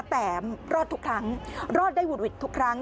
แต่รอดทุกครั้งรอดได้หุดหวิดทุกครั้ง